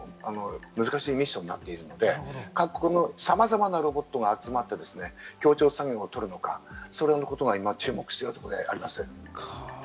ものすごく難しいミッションになっているので、さまざまなロボットが集まって協調作業をとるのか、そのところが今、注目されているところです。